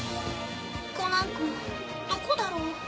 コナンくんどこだろう？